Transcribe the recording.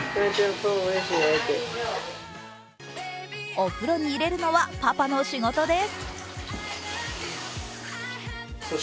お風呂に入れるのはパパの仕事です。